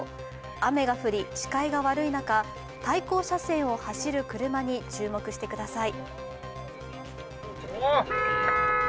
雨が降り、視界が悪い中、対向車線を走る車に注目してください。